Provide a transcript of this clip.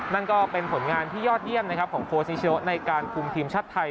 นั่นก็เป็นผลงานที่ยอดเยี่ยมนะครับของโค้ชนิชิโนในการคุมทีมชาติไทย